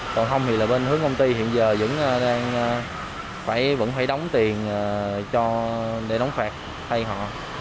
còn không thì bên hướng công ty hiện giờ vẫn phải đóng tiền để đóng phạt thay họ